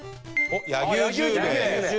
柳生十兵衛。